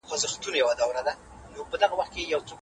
انقلابونو د ټولني جوړښت بدل کړی و.